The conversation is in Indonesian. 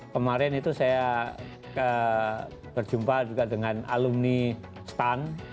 kemarin itu saya berjumpa juga dengan alumni stun